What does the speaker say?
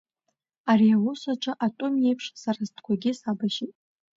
Ари аус аҿы атәым иеиԥш сара стәқәагьы сабашьит.